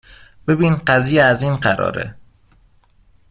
ببین قضیه از این قراره